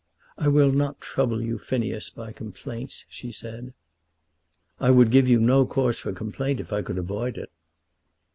"I will not trouble you, Phineas, by complaints," she said. "I would give you no cause for complaint if I could avoid it."